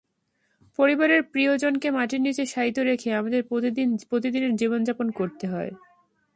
পরিবারের প্রিয়জনকে মাটির নিচে শায়িত রেখে আমাদের প্রতিদিনের জীবনযাপন করতে হয়।